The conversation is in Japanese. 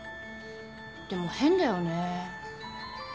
でも変だよね。